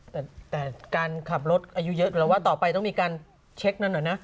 แต่การขับรถอายุเยอะแล้วว่าต่อไปต้องมีการเช็คนั้นหน่อยนะ